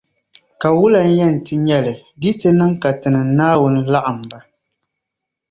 Ka wula n-yɛn ti nyεli di yiti niŋ ka Tinim’ Naawuni laɣim ba.